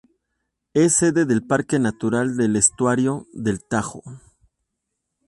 Es sede del Parque Natural del Estuario del Tajo.